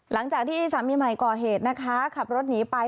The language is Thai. หลังจากที่สามีใหม่ก่อเหตุนะคะขับรถหนีไป